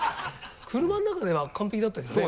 車の中では完璧だったけどね。